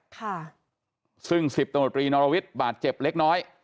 ค่ะซึ่งสิบตำรวจรีนรวิทย์บาดเจ็บเล็กน้อย